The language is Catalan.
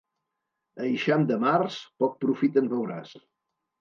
Eixam de març, poc profit en veuràs.